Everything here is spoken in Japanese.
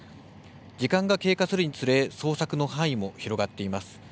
時間が経過するにつれ捜索の範囲も広がっています。